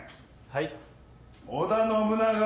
はい。